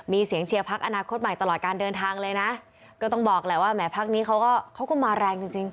มีเสียงเชียร์พักอนาคตใหม่ตลอดการเดินทางเลยนะก็ต้องบอกแหละว่าแหมพักนี้เขาก็เขาก็มาแรงจริงจริง